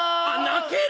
泣ける！